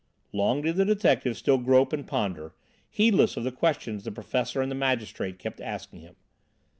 Long did the detective still grope and ponder, heedless of the questions the professor and the magistrate kept asking him.